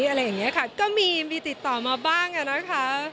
อะไรอย่างนี้ค่ะก็มีมีติดต่อมาบ้างอะนะคะ